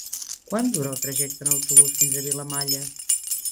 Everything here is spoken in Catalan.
Quant dura el trajecte en autobús fins a Vilamalla?